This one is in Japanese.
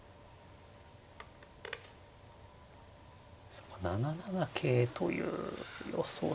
そうか７七桂という予想手か。